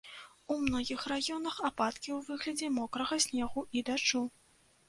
У многіх раёнах ападкі ў выглядзе мокрага снегу і дажджу.